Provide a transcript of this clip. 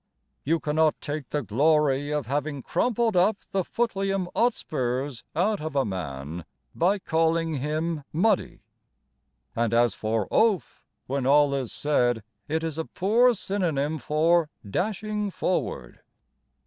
You cannot take the glory of having crumpled up the Footleum Otspurs out of a man By calling him Muddy; And as for Oaf, When all is said It is a poor synonym for "dashing forward."